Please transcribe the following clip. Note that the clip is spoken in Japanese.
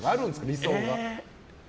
理想が。